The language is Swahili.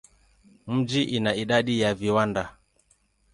Mji ina idadi ya viwanda.